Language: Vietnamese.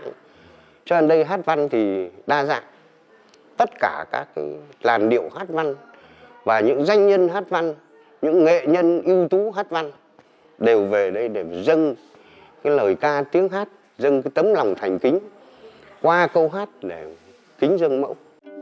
người có công với cách mạng cho nên đây hát văn thì đa dạng tất cả các làn điệu hát văn và những danh nhân hát văn những nghệ nhân ưu tú hát văn đều về đây để dâng cái lời ca tiếng hát dâng cái tấm lòng thành kính qua câu hát để kính dâng mẫu